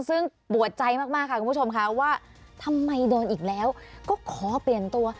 ซึ่งปวดใจมากค่ะคุณผู้ชมค่ะว่าทำไมโดนอีกแล้วก็ขอเปลี่ยนตัว